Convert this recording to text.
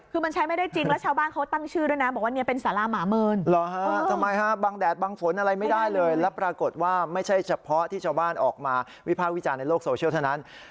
คือมันใช้ไม่ได้จริงแล้วชาวบ้านเขาตั้งชื่อด้วยนะ